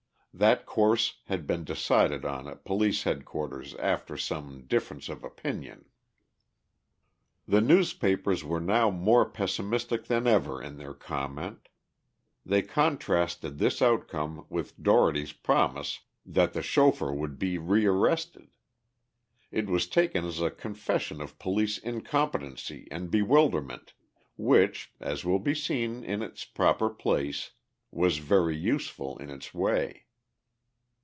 That course had been decided on at Police Headquarters after some difference of opinion. The newspapers were now more pessimistic than ever in their comment. They contrasted this outcome with Dougherty's promises that the chauffeur would be re arrested. It was taken as a confession of police incompetency and bewilderment—which, as will be seen in its proper place, was very useful in its way.